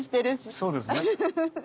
そうですね。